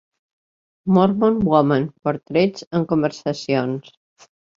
"Mormon Women: Portraits and Conversations".